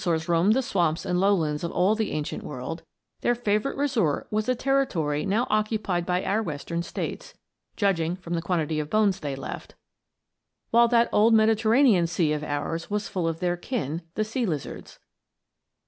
] Although the Dinosaurs roamed the swamps and lowlands of all the ancient world, their favorite resort was the territory now occupied by our Western States judging from the quantities of bones they left while that old Mediterranean Sea of ours was full of their kin, the sea lizards.